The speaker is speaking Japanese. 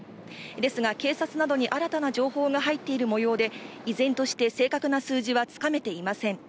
ですが警察などに新たな情報が入っている模様で依然として正確な数字は掴めていません。